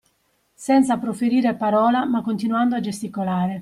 Senza proferire parola ma continuando a gesticolare